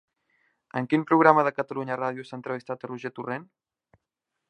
En quin programa de Catalunya Ràdio s'ha entrevistat a Roger Torrent?